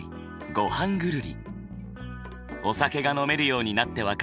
「ごはんぐるり」。